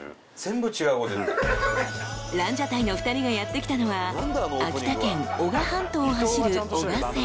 ［ランジャタイの２人がやって来たのは秋田県男鹿半島を走る］